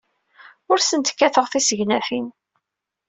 Ur asent-kkateɣ tissegnatin.